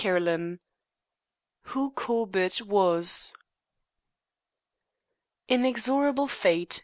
CHAPTER XII WHO CORBETT WAS "Inexorable Fate!"